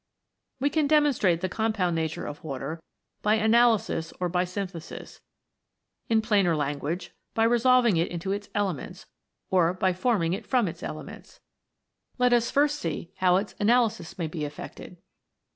We can demonstrate the compound nature of Water by analysis or by synthesis ; in plainer lan guage, by resolving it into its elements, or by form ing it from its elements. Let us first see how its analysis may be effected.